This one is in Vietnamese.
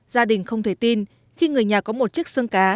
gia đình không thể tin khi người nhà có một chiếc xương cá